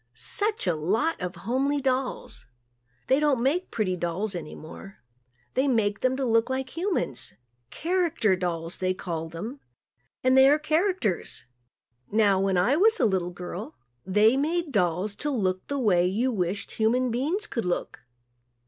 Such a lot of homely dolls. They don't make pretty dolls any more. They make them to look like humans. "Character" dolls they call them and they are "characters." Now, when I was a little girl, they made dolls to look the way you wished human beings could look.